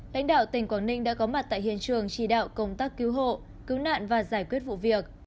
lãnh đạo tỉnh quảng ninh đã có mặt tại hiện trường chỉ đạo công tác cứu hộ cứu nạn và giải quyết vụ việc